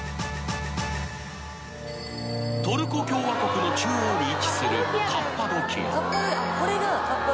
［トルコ共和国の中央に位置するカッパドキア］